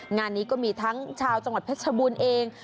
งานนี้ก็มีทั้งชาวจังหวัดเพชรบูรณ์เอง